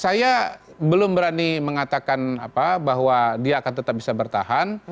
saya belum berani mengatakan bahwa dia akan tetap bisa bertahan